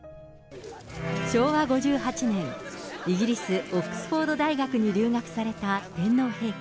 昭和５８年、イギリス・オックスフォード大学に留学された天皇陛下。